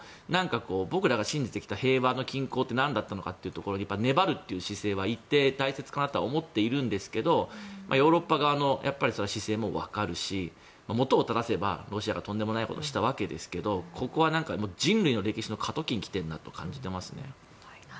僕らが信じてきた平和の均衡ってなんだったのかっていうところに粘るっていう姿勢は一定、大切かなとは思っているんですがヨーロッパ側の姿勢もわかるしもとをただせばロシアがとんでもないことをしたわけですがここは人類の歴史の過渡期に来ているなと感じていますね。